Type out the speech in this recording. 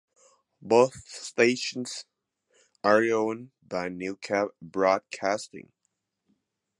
Both stations are owned by Newcap Broadcasting.